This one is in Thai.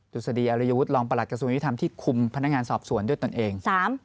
ดุษฎีอริยวุฒิรองประหลักกระทรวงยุทธรรมที่คุมพนักงานสอบสวนด้วยตนเอง